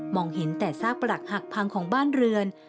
เห็นแต่ซากปรักหักพังของบ้านเรือน